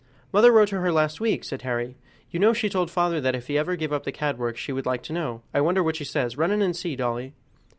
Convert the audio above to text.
"Mother wrote to her last week," said Harry; "you know she told father if ever he gave up the cab work she would like to know. I wonder what she says; run in and see, Dolly."